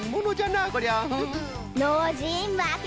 ノージーまけ